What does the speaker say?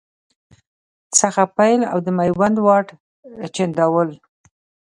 څخه پیل او د میوند واټ، چنداول